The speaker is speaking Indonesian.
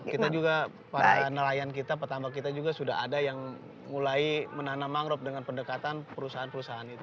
kita juga para nelayan kita petambak kita juga sudah ada yang mulai menanam mangrove dengan pendekatan perusahaan perusahaan itu